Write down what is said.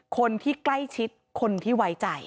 คนที่ใกล้ชิดคนที่ไว้ใจ